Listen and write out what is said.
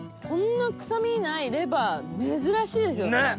こんな臭みないレバー珍しいですよね！